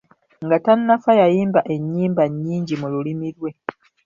Nga tannafa yayimba ennyimba nnyingi mu lulimi lwe.